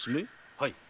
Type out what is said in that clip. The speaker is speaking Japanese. はい。